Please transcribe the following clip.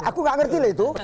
aku gak ngerti lah itu